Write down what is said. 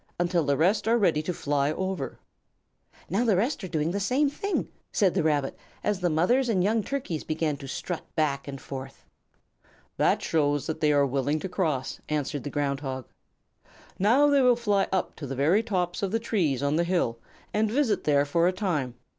until the rest are ready to fly over." "Now the others are doing the same thing," said the Rabbit, as the mothers and young Turkeys began to strut back and forth. "That shows that they are willing to cross," answered the Ground Hog. "Now they will fly up to the very tops of the trees on the hill and visit there for a time.